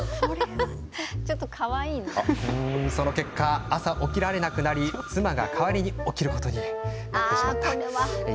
その結果、朝起きられなくなり妻が代わりに起きることになってしまったんです。